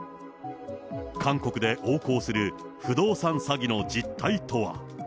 韓国で横行する不動産詐欺の実態とは。